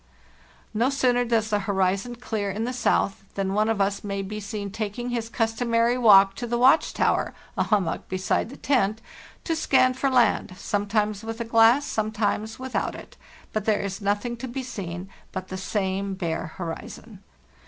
'No sooner does the horizon clear in the south than one of us may be seen taking his customary walk to the 'watch tower' (a hummock beside the tent) to scan for land, sometimes with a glass, sometimes without it; but there is nothing to be seen but the same bare horizon.